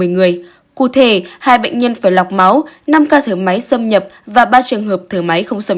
một mươi người cụ thể hai bệnh nhân phải lọc máu năm ca thở máy xâm nhập và ba trường hợp thở máy không xâm